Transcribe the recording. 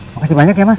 makasih banyak ya mas